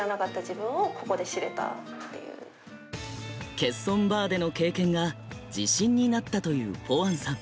欠損バーでの経験が自信になったというぽわんさん。